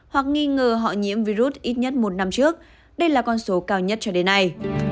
hoặc nghi ngờ họ nhiễm virus ít nhất một năm trước đây là con số cao nhất cho đến nay